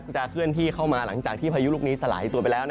เคลื่อนที่เข้ามาหลังจากที่พายุลูกนี้สลายตัวไปแล้ว